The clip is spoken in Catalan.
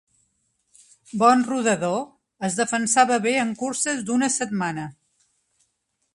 Bon rodador, es defensava bé en curses d'una setmana.